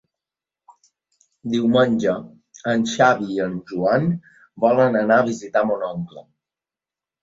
Diumenge en Xavi i en Joan volen anar a visitar mon oncle.